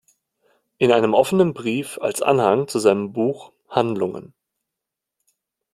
In einem Offenen Brief als Anhang zu seinem Buch "Handlungen.